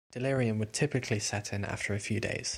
Delirium would typically set in after a few days.